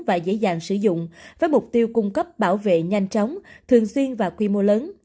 và dễ dàng sử dụng với mục tiêu cung cấp bảo vệ nhanh chóng thường xuyên và quy mô lớn